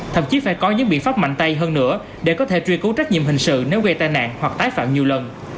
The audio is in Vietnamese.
thậm chí phải có những biện pháp mạnh tay hơn nữa để có thể truy cứu trách nhiệm hình sự nếu gây tai nạn hoặc tái phạm nhiều lần